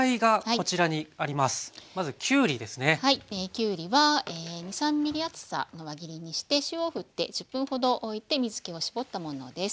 きゅうりは２３ｍｍ厚さの輪切りにして塩をふって１０分ほどおいて水けを絞ったものです。